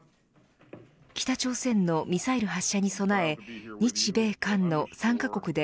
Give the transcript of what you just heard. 北朝鮮のミサイル発射に備え日米韓の３カ国で